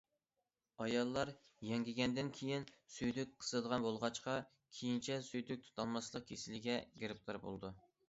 ئاياللار يەڭگىگەندىن كېيىن سۈيدۈك قىسىدىغان بولغاچقا، كېيىنچە سۈيدۈك تۇتالماسلىق كېسىلىگە گىرىپتار بولىدۇ.